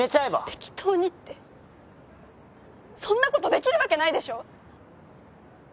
適当にってそんなことできるわけないでしょ！